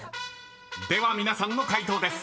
［では皆さんの解答です］